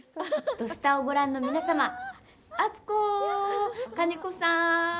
「土スタ」をご覧の皆様敦子、金子さん！